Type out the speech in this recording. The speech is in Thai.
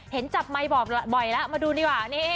เห็นจับไมค์บอกบ่อยแล้วมาดูดีกว่าเนี่ยนะฮะ